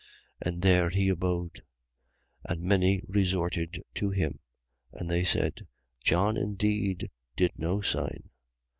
And there he abode. 10:41. And many resorted to him: and they said: John indeed did no sign.